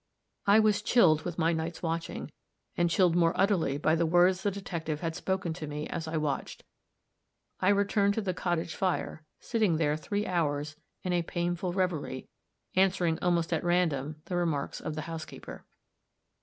I was chilled with my night's watching, and chilled more utterly by the words the detective had spoken to me as I watched; I returned to the cottage fire, sitting there three hours, in a painful reverie, answering almost at random the remarks of the housekeeper.